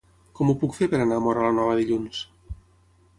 Com ho puc fer per anar a Móra la Nova dilluns?